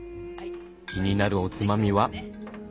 気になるおつまみは？